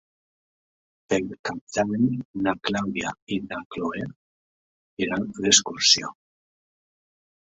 Per Cap d'Any na Clàudia i na Cloè iran d'excursió.